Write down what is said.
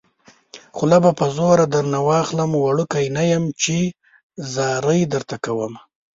خوله به په زوره درنه واخلم وړوکی نه يم چې ځاري درته کومه